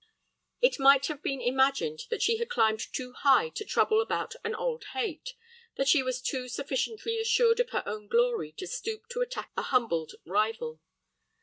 It might have been imagined that she had climbed too high to trouble about an old hate; that she was too sufficiently assured of her own glory to stoop to attack a humbled rival.